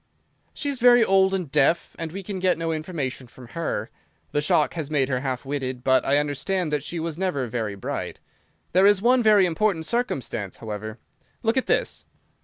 "She is very old and deaf, and we can get no information from her. The shock has made her half witted, but I understand that she was never very bright. There is one very important circumstance, however. Look at this!"